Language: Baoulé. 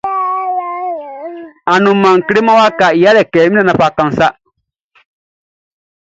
Anumanʼn kleman wakaʼm be yalɛ kɛ nga min nannanʼn fa kanʼn sa.